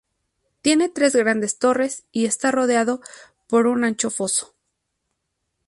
Tiene tres grandes torres y está rodeado por un ancho foso.